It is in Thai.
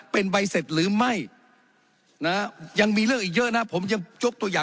เป็นใบเสร็จหรือไม่ยังมีเรื่องอีกเยอะนะครับ